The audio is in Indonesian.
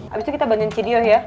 abis itu kita bantuin cidiyoh ya